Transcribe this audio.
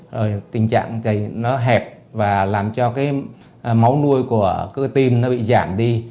rồi tình trạng dày nó hẹp và làm cho cái máu nuôi của cơ tim nó bị giảm đi